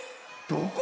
どこ？